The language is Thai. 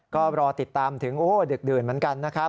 ก็รอติดตามถึงดึกดื่นเหมือนกันนะครับ